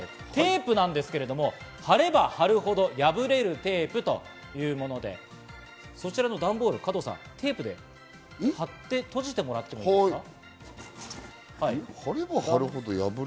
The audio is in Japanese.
まずは加藤さんの目の前にあるテープなんですけれども、貼れば貼るほど破れるテープというもので、そちらの段ボール、テープで貼って閉じてもらっていいですか？